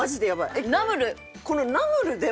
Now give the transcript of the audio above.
えっナムル。